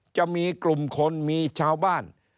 จะมีกลุ่มคนมีชาวบ้าน